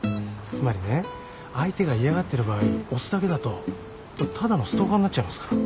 つまりね相手が嫌がってる場合押すだけだとただのストーカーになっちゃいますから。